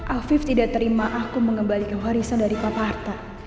afif tidak terima aku mengembalikan warisan dari pak arta